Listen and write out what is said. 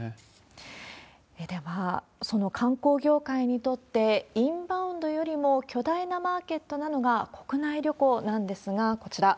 では、その観光業界にとって、インバウンドよりも巨大なマーケットなのが国内旅行なんですが、こちら。